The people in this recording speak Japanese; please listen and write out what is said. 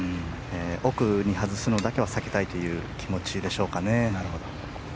奥に外すのだけは避けたいという気持ちでしょうかね。